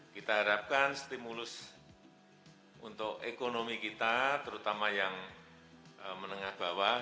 kita harapkan stimulus untuk ekonomi kita terutama yang menengah bawah